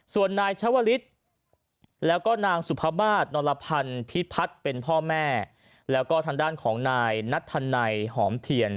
ส่วนนายชาวลิศแล้วก็นางสุภามาศนรพันธ์พิพัฒน์เป็นพ่อแม่แล้วก็ทางด้านของนายนัทธันัยหอมเทียน